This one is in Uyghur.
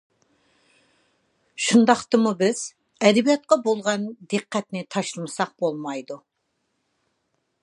شۇنداقتىمۇ بىز ئەدەبىياتقا بولغان دىققەتنى تاشلىساق بولمايدۇ.